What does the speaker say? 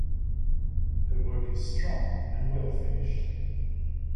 Her work is strong and well finished.